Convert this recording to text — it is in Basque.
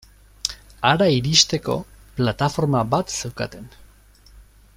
Hara iristeko plataforma bat zeukaten.